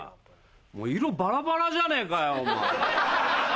色バラバラじゃねえかよお前。